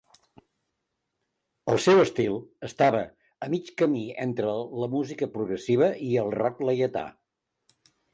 El seu estil estava a mig camí entre la música progressiva i el rock laietà.